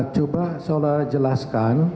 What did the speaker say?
coba seolah jelaskan